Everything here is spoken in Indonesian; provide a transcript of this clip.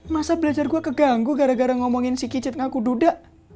masa belajar gue keganggu gara gara ngomongin si kicit ngaku duda